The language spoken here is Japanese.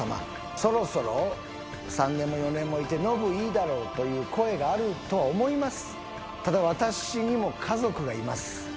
そろそろ３年も４年もいてノブいいだろうという声があるとは思います。